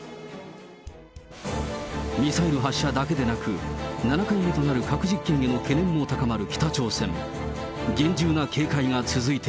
ミサイル発射だけでなく、７回目となる核実験への懸念も高まる北朝鮮。